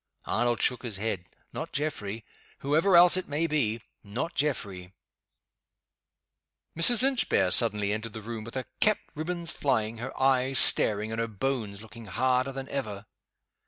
Arnold shook his head. "Not Geoffrey. Whoever else it may be not Geoffrey!" Mrs. Inchbare suddenly entered the room with her cap ribb ons flying, her eyes staring, and her bones looking harder than ever.